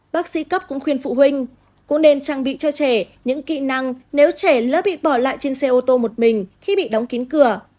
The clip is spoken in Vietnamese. bác sĩ cấp cũng khuyên phụ huynh cũng nên trang bị cho trẻ những kỹ năng nếu trẻ lỡ bị bỏ lại trên xe ô tô một mình khi bị đóng kín cửa